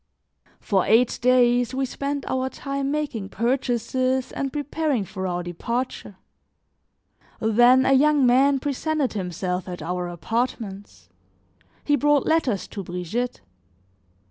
For eight days we spent our time making purchases and preparing for our departure; then a young man presented himself at our apartments: he brought letters to Brigitte.